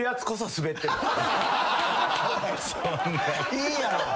いいやろ。